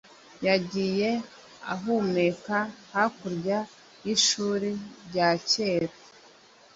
yagiye ahumeka hakurya y'ishuri rya kera